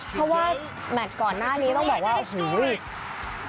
เพราะว่าแมทก่อนหน้านี้ต้องบอกว่าโอ้โห